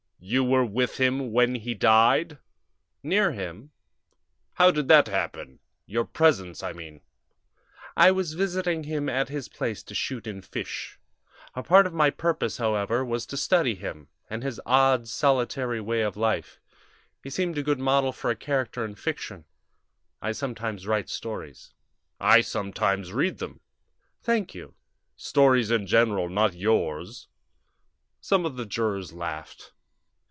"You were with him when he died?" "Near him." "How did that happen your presence, I mean?" "I was visiting him at this place to shoot and fish. A part of my purpose, however, was to study him, and his odd, solitary way of life. He seemed a good model for a character in fiction. I sometimes write stories." "I sometimes read them." "Thank you." "Stories in general not yours." Some of the jurors laughed.